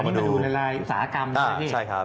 อันนี้มาดูในรายอุตสาหกรรมใช่ไหมครับ